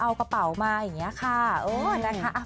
เราจะไม่ค่อยเรียกชื่อกันนะครับ